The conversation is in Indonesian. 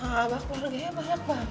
abah keluarganya banyak bang